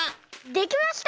できました！